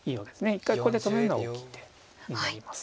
一回ここで止めるのは大きい手になります。